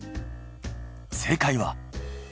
正解は。